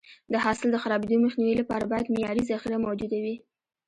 د حاصل د خرابېدو مخنیوي لپاره باید معیاري ذخیره موجوده وي.